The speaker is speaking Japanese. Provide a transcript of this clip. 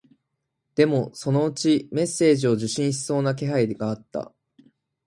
でも、そのうちメッセージを受信しそうな気配があった